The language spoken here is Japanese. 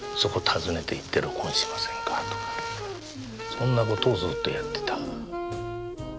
そんなことをずっとやってた。